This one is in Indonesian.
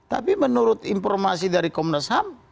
tapi menurut informasi dari komnas ham